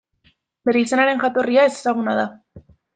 Bere izenaren jatorria ezezaguna da.